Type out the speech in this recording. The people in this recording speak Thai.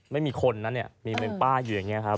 ไม่มีคนนะมีแบบป้ายอยู่อย่างนี้ครับ